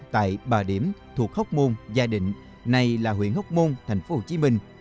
tại bà điểm thuộc hốc môn gia định này là huyện hốc môn thành phố hồ chí minh